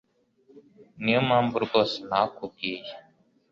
Niyo mpamvu rwose ntakubwiye.